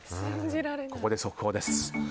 ここで速報です。